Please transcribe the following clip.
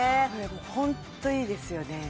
ホントいいですよね